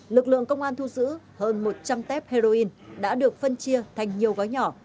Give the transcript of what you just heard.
lực lượng công an thu giữ hơn một trăm linh tép heroin đã được phân chia thành nhiều gói nhỏ